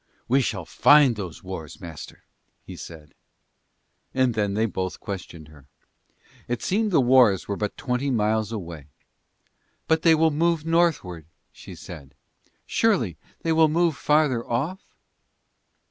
"We shall find those wars, master," he said. And then they both questioned her. It seemed the wars were but twenty miles away. "But they will move northward," she said. "Surely they will move farther off?"